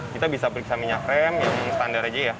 kita bisa periksa minyak rem yang standar aja ya